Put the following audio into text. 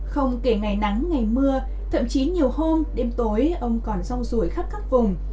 không kể ngày nắng ngày mưa thậm chí nhiều hôm đêm tối ông còn rau rùi khắp các vùng